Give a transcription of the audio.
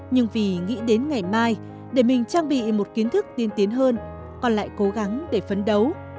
nhưng vì nghĩ đến ngày mai để mình trang bị một kiến thức tiên tiến hơn con lại cố gắng để phấn đấu